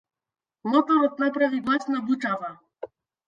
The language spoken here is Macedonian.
Моторот направи гласна бучава.